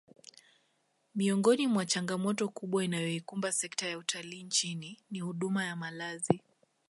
Miongoni mwa changamoto kubwa inayoikumba sekta ya utalii nchini ni huduma ya malazi